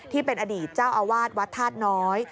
ที่เป็นอดีตเจ้าอาวาสวัดธาตุน้อย